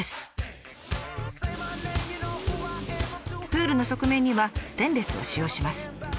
プールの側面にはステンレスを使用します。